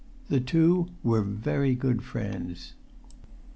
The two were very good friends.